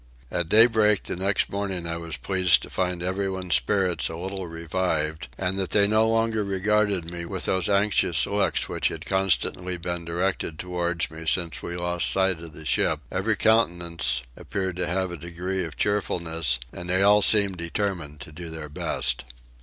At daybreak the next morning I was pleased to find everyone's spirits a little revived, and that they no longer regarded me with those anxious looks which had constantly been directed towards me since we lost sight of the ship: every countenance appeared to have a degree of cheerfulness, and they all seemed determined to do their best.